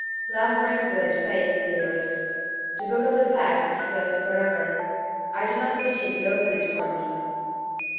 '' 11 Love brings with it faith, dearest. The book of the past is closed forever. I do not wish you to open it for me."